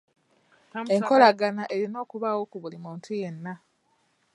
Enkolagana erina okubaawo ku buli muntu yenna.